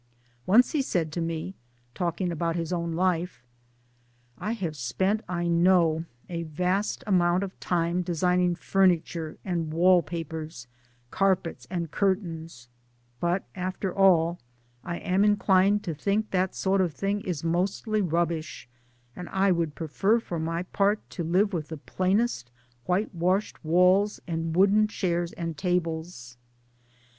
Once he said to me, talking about his own life :" I have spent, I know, a vast amount of time designing furniture and wall papers, carpets and curtains ; but after all I am inclined to think that sort of thing is mostly rubbish, and I would prefer for my part to live with the plainest whitewashed walls and wooden chairs and tables."